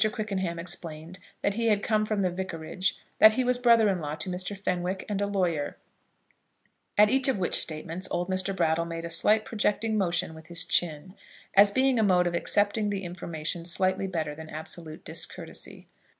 Quickenham explained that he had come from the Vicarage, that he was brother in law to Mr. Fenwick, and a lawyer, at each of which statements old Brattle made a slight projecting motion with his chin, as being a mode of accepting the information slightly better than absolute discourtesy.